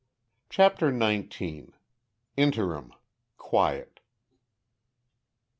CHAPTER NINETEEN. INTERIM QUIET.